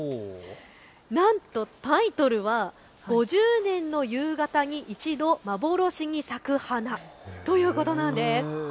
なんとタイトルは５０年の夕方に１度、まぼろしに咲く花ということなんです。